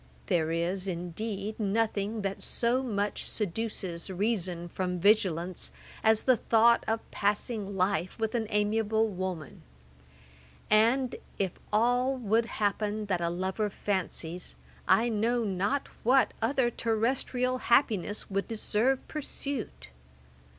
There is, indeed, nothing that so much seduces reason from vigilance, as the thought of passing life with an amiable woman; and if all would happen that a lover fancies, I know not what other terrestrial happiness would deserve pursuit.